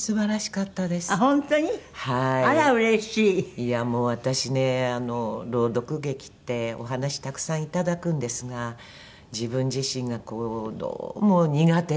いやあもう私ね朗読劇ってお話たくさんいただくんですが自分自身がこうどうも苦手で。